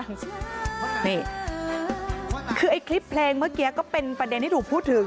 อาจเลยคลิปเพลงเมื่อเกียก็เป็นประเด็นที่ถูกผู้ถือ